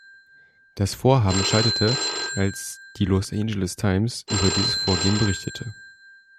Das Vorhaben scheiterte, als die "Los Angeles Times" über dieses Vorgehen berichtete.